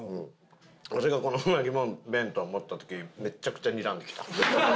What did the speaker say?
わしがこのうなぎ弁当を持った時めっちゃくちゃにらんできた。